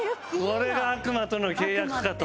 これが悪魔との契約かと。